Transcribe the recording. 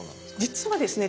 実はですね